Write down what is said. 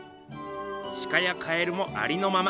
シカやカエルもありのまま。